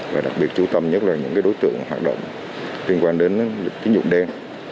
và đặc biệt chú tâm nhất là những đối tượng hoạt động liên quan đến lịch kinh dục đen